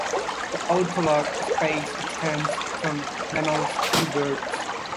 The ortholog space extends from mammals to birds.